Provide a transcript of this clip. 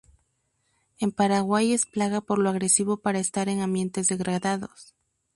En Paraguay es plaga por lo agresivo para estar en ambientes degradados.